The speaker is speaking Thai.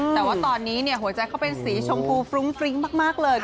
แต่ว่าตอนนี้หัวใจเขาเป็นสีชมพูฟรุ้งฟริ้งมากเลย